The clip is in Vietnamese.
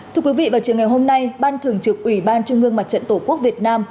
thưa quý vị vào trường ngày hôm nay ban thường trực ủy ban trung ương mặt trận tổ quốc việt nam